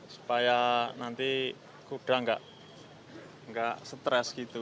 supaya nanti kuda nggak stres gitu